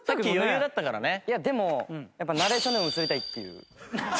でもやっぱナレーションでも映りたいっていう。